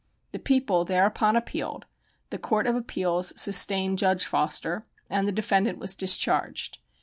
The People thereupon appealed, the Court of Appeals sustained Judge Foster, and the defendant was discharged.